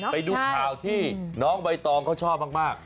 ไปดูข่าวที่น้องใบตองเขาชอบมาก